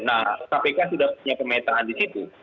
nah kpk sudah punya pemetaan di situ